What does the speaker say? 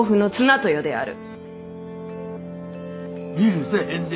許さへんで！